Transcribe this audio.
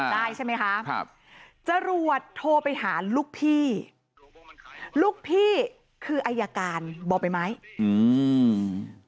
ได้ใช่ไหมคะครับจรวดโทรไปหาลูกพี่ลูกพี่คืออายการบ่อใบไม้อืม